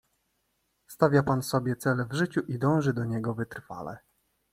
"Stawia pan sobie cel w życiu i dąży do niego wytrwale."